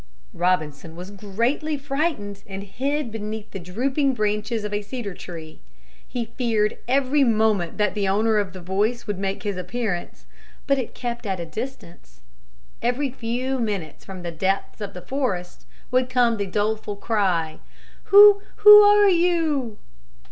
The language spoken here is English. Robinson was greatly frightened and hid beneath the drooping branches of a cedar tree. He feared every moment that the owner of the voice would make his appearance. But it kept at a distance. Every few minutes from the depths of the forest would come the doleful cry, "Who, who are you?"